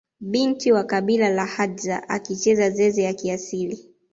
Binti wa kabila la hadza akicheza zeze ya kiasili